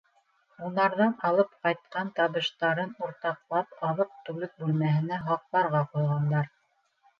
Һунарҙан алып ҡайтҡан табыштарын уртаҡлап аҙыҡ-түлек бүлмәһенә һаҡларға ҡуйғандар.